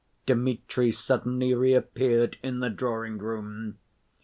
Dmitri suddenly reappeared in the drawing‐room.